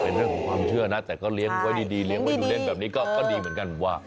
เป็นเรื่องของความเชื่อนะแต่ก็เลี้ยงไว้ดีเลี้ยงไว้อยู่เล่นแบบนี้ก็ดีเหมือนกันว่า